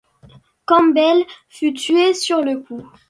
Campbell fut tué sur le coup.